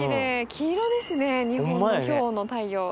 黄色ですね日本の今日の太陽は。